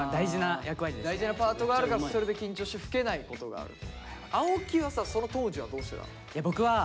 大事なパートがあるからそれで緊張して吹けないことがあると。